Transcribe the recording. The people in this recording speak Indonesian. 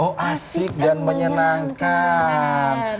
oh asik dan menyenangkan